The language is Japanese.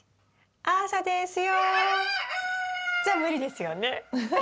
じゃ無理ですよね。